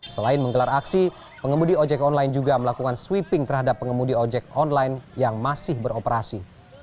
selain menggelar aksi pengemudi ojek online juga melakukan sweeping terhadap pengemudi ojek online yang masih beroperasi